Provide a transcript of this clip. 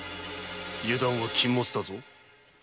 油断は禁物だぞ。